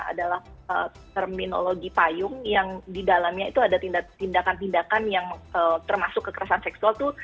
adalah terminologi payung yang di dalamnya itu ada tindakan tindakan yang termasuk kekerasan seksual itu